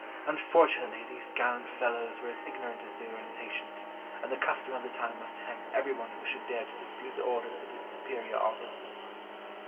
Unfortunately, these gallant fellows were as ignorant as they were impatient, and the custom of the time was to hang everyone who should dare to dispute the orders of his superior officers."